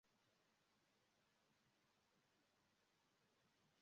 La libro traktas pri la rilatoj inter biologia kaj anima evoluado.